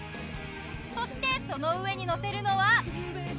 そしてその上にのせるのは。